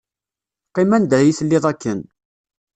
Qqim anda i telliḍ akken.